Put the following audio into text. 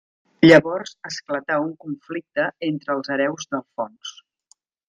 Llavors esclatà un conflicte entre els hereus d'Alfons.